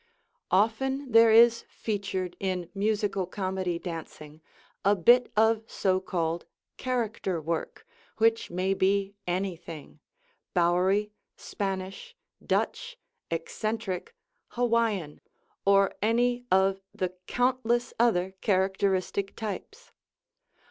Often there is featured in Musical Comedy dancing a bit of so called "character" work, which may be anything Bowery, Spanish, Dutch, eccentric, Hawaiian, or any of the countless other characteristic types.